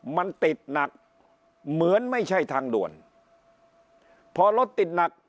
มันติดหนักเหมือนไม่ใช่ทางด่วนพอรถติดหนัก